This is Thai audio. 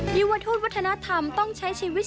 ยุวทูตวัฒนธรรมต้องใช้ชีวิต